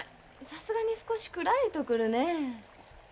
さすがに少しくらりとくるね。